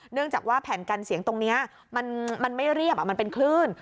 เนื่องจากว่าแผ่นกันเสียงตรงนี้มันไม่เรียบมันเป็นคลื่น